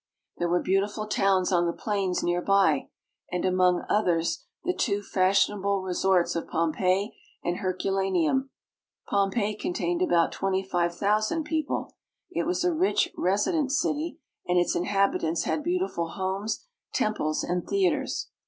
There were beautiful towns on the plains near by, and, among others, the two fashionable resorts of Pompeii and Herculaneum. Pompeii contained about twenty five thousand people. It was a rich residence city, and its inhabitants had beautiful homes, temples, and theaters.